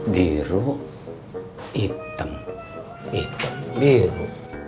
biru hitam hitam biru